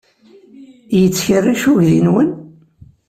Yettkerric uydi-nwen?